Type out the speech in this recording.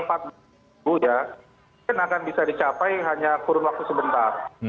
mungkin akan bisa dicapai hanya kurun waktu sebentar